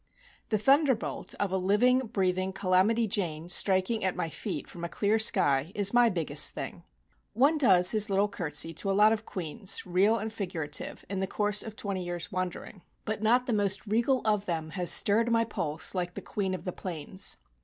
The thunderbolt of a living, breathing "Calamity Jane" striking at my feet from a clear sky is my biggest thing. One does his little curtsey to a lot of queens, real and figurative, in the course of twenty years' wandering, but not the most regal of them has stirred my pulse like the "Queen of the Plains."